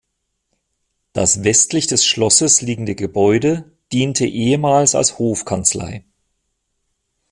Das westlich des Schlosses liegende Gebäude diente ehemals als Hofkanzlei.